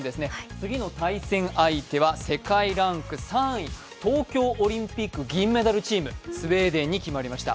次の対戦相手は世界ランク３位東京オリンピック銀メダルチーム、スウェーデンに決まりました。